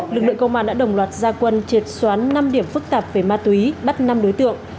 lực lượng công an đã đồng loạt gia quân triệt xóa năm điểm phức tạp về ma túy bắt năm đối tượng